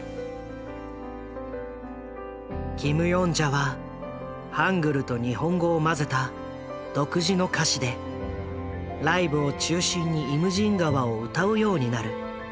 キム・ヨンジャはハングルと日本語を交ぜた独自の歌詞でライブを中心に「イムジン河」を歌うようになる。